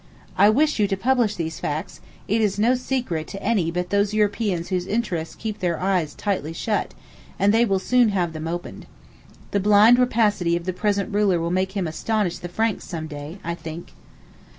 I wish you to publish these facts, it is no secret to any but to those Europeans whose interests keep their eyes tightly shut, and they will soon have them opened. The blind rapacity of the present ruler will make him astonish the Franks some day, I think.